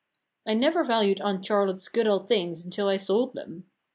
I never valued Aunt Charlotte's good old things until I sold them.